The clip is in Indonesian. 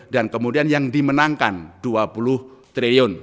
dan kemudian yang dimenangkan dua puluh triliun